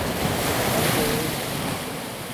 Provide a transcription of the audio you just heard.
Tünaydın.